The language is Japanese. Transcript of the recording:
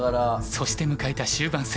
そして迎えた終盤戦。